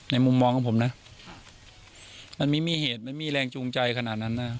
มุมมองของผมนะมันไม่มีเหตุไม่มีแรงจูงใจขนาดนั้นนะ